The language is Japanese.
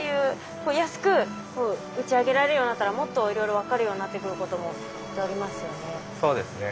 安く打ち上げられるようになったらもっといろいろ分かるようになってくることもきっとありますよね。